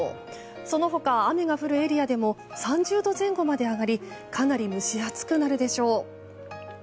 その他、雨が降るエリアでも３０度前後まで上がりかなり蒸し暑くなるでしょう。